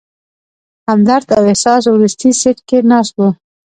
همدرد او احسان وروستي سیټ کې ناست ول.